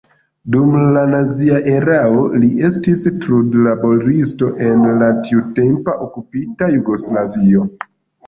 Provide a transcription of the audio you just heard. Dum la nazia erao li estis trudlaboristo en la tiutempa okupita Jugoslavio.